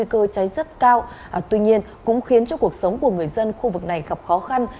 nguy cơ cháy rất cao tuy nhiên cũng khiến cho cuộc sống của người dân khu vực này gặp khó khăn